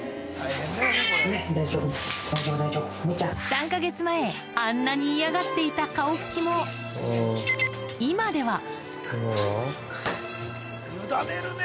３か月前あんなに嫌がっていた顔ふきも今では委ねるね！